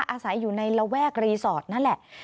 อาศัยอยู่ในระแวกรีสอร์ทนั่นแหละ